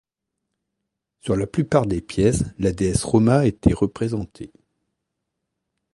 Sur la plupart des pièces, la déesse Roma était représentée.